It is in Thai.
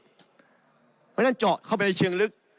เพราะฉะนั้นเจาะเข้าไปในเชิงลึก